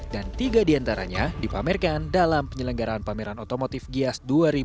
dan tiga di antaranya dipamerkan dalam penyelenggaraan pameran otomotif gias dua ribu dua puluh dua